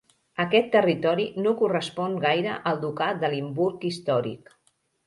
Aquest territori no correspon gaire al Ducat de Limburg històric.